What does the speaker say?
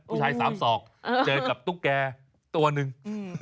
ผู้ชายสามศอกเจอกับตุ๊กแก่ตัวหนึ่ง